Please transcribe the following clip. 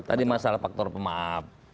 tadi masalah faktor pemaaf